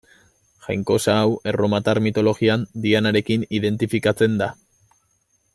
Jainkosa hau, erromatar mitologian, Dianarekin identifikatzen da.